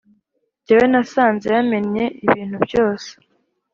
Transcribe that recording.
jyewe nasanze yamennye ibintu byose